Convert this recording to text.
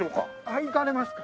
あっ行かれますか。